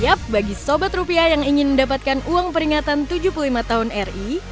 yap bagi sobat rupiah yang ingin mendapatkan uang peringatan rp tujuh puluh lima